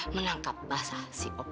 menangkap basah si opi ya